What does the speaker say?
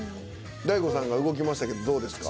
大悟さんが動きましたけどどうですか？